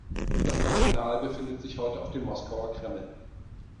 Das Original befindet sich heute auf dem Moskauer Kreml.